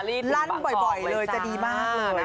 ต้องบ่อยเลยจะดีมาก